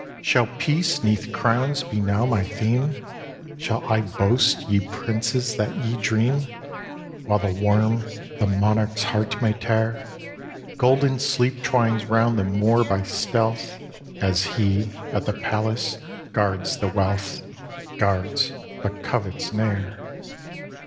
shall peace 'neath crowns be now my theme? Shall I boast, ye princes, that ye dream? While the worm the monarch's heart may tear, Golden sleep twines round the Moor by stealth, As he, at the palace, guards the wealth, Guards but covets ne'er.